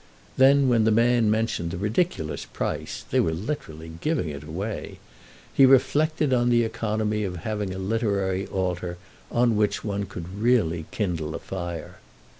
Then when the man mentioned the ridiculous price (they were literally giving it away), he reflected on the economy of having a literary altar on which one could really kindle a fire.